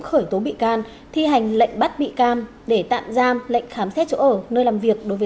khởi tố bị can thi hành lệnh bắt bị can để tạm giam lệnh khám xét chỗ ở nơi làm việc đối với